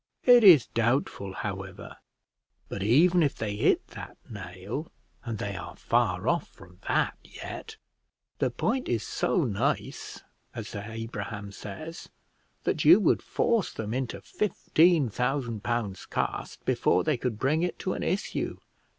It is doubtful, however; but even if they hit that nail, and they are far off from that yet, the point is so nice, as Sir Abraham says, that you would force them into fifteen thousand pounds' cost before they could bring it to an issue!